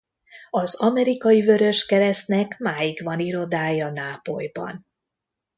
Az Amerikai Vöröskeresztnek máig van irodája Nápolyban.